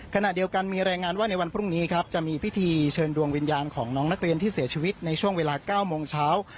ขณะเดียวกันมีรายงานว่าในวันพรุ่งนี้ครับจะมีพิธีเชิญดวงวิญญาณของน้องนักเรียนที่เสียชีวิตในช่วงเวลา๙โมงเช้า